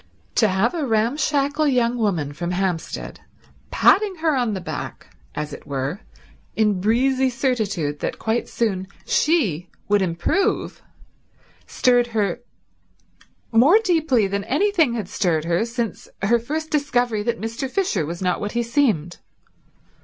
To have a ramshackle young woman from Hampstead patting her on the back as it were, in breezy certitude that quite soon she would improve, stirred her more deeply than anything had stirred her since her first discovery that Mr. Fisher was not what he seemed.